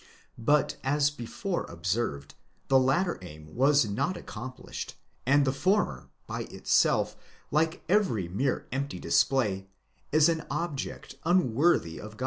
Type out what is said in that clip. But as before observed, the latter aim was not accomplished, and the former, by itself, like every mere empty display, is an object unworthy of God.